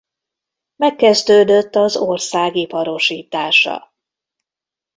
Megkezdődött az ország iparosítása.